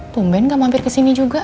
tumben gak mampir kesini juga